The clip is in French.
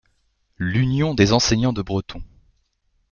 L’Union des Enseignants de Breton.